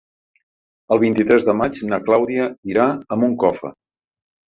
El vint-i-tres de maig na Clàudia irà a Moncofa.